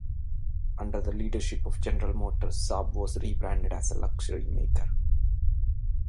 Under the leadership of General Motors, Saab was re-branded as a luxury maker.